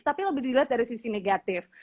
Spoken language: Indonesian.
tapi lebih dilihat dari sisi negatif